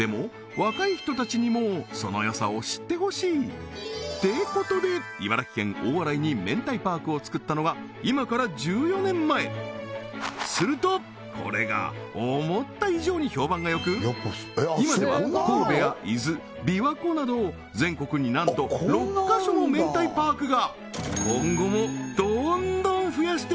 若い人たちにもその良さを知ってほしい！ってことで茨城県大洗にめんたいパークをつくったのが今から１４年前するとこれが思った以上に評判が良く今では神戸や伊豆びわ湖など全国になんと６カ所もめんたいパークが！